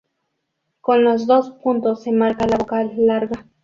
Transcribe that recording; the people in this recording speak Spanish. Con los dos puntos se marca la vocal larga.